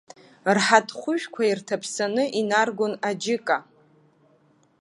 Рҳаҭхәыжәқәа ирҭаԥсаны инаргон аџьыка.